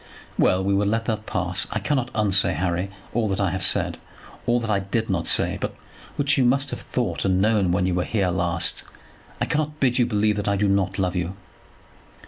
"Well; we will let that pass. I cannot unsay, Harry, all that I have said; all that I did not say, but which you must have thought and known when you were here last. I cannot bid you believe that I do not love you."